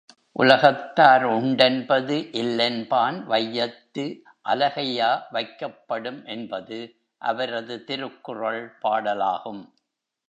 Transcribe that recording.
உலகத்தார் உண்டென்பது இல்லென்பான் வையத்து அலகையா வைக்கப் படும் என்பது அவரது திருக்குறள் பாடலாகும்.